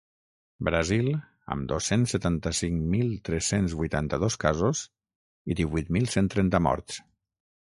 Brasil, amb dos-cents setanta-cinc mil tres-cents vuitanta-dos casos i divuit mil cent trenta morts.